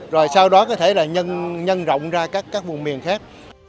rồi sau đó có thể là nhân rộng ra các vùng miền khác